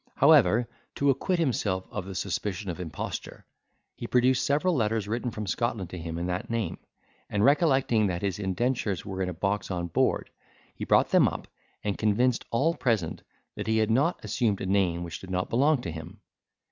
However, to acquit himself of the suspicion of imposture, he produced several letters written from Scotland to him in that name, and, recollecting that his indentures were in a box on board, he brought them up, and convinced all present that he had not assumed a name which did not belong to him.